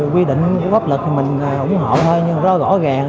quy định góp lực thì mình ủng hộ thôi nhưng rất rõ ràng